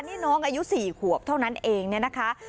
นี่น้องอายุ๔ขวบเท่านั้นเองเนี่ยนะคะ